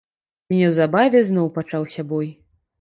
І неўзабаве зноў пачаўся бой.